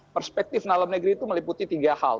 perspektif dalam negeri itu meliputi tiga hal